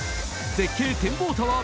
絶景展望タワー